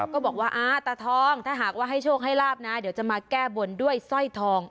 ก็บอกว่าอ่าตาทองถ้าหากว่าให้โชคให้ลาบนะเดี๋ยวจะมาแก้บนด้วยสร้อยทอง